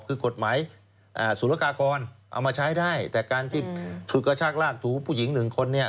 คือกฎหมายสุรกากรเอามาใช้ได้แต่การที่ฉุดกระชากลากถูผู้หญิงหนึ่งคนเนี่ย